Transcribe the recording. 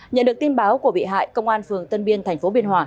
nhận được tin báo của bị hại công an phường tân biên thành phố biên hòa